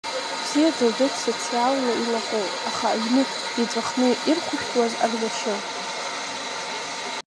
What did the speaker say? Бзиа дылбеит социалла илаӷоу, аха аҩны иҵәахны ирхәышәтәуаз Ардашьыл.